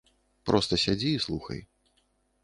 Проста сядзі і слухай.